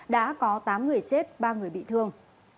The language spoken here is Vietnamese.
đã có tám người chết ba người bị thương